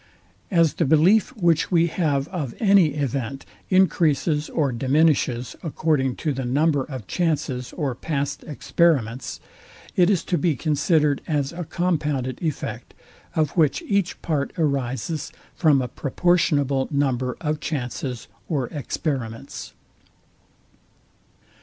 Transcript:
As the belief which we have of any event, encreases or diminishes according to the number of chances or past experiments, it is to be considered as a compounded effect, of which each part arises from a proportionable number of chances or experiments.